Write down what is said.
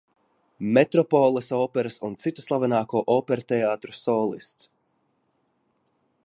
Metropoles operas un citu slavenāko operteātru solists.